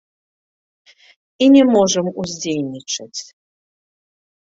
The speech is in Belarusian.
І не можам уздзейнічаць.